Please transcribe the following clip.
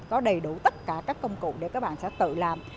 có đầy đủ tất cả các công cụ để các bạn sẽ tự làm